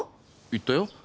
言ったよ。